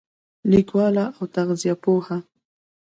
لیکواله او تغذیه پوهه